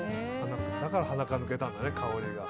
だから鼻から抜けたんだね、香りが。